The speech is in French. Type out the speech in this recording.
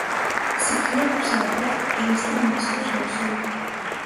Cyprien poussa la porte et resta un instant sur le seuil.